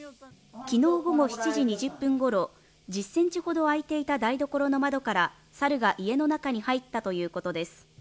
昨日午後７時２０分頃、１０センチほど開いていた台所の窓からサルが家の中に入ったということです。